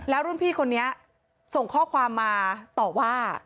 แล้วรุ่นพี่คนนี้ส่งข้อความมาต่อว่า